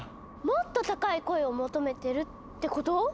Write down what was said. もっと高い声を求めてるってこと？